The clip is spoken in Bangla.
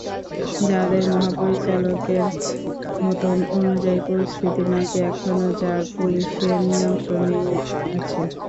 র্যাবের মহাপরিচালকের মত অনুযায়ী, পরিস্থিতি নাকি এখনো র্যাব পুলিশের নিয়ন্ত্রণেই আছে।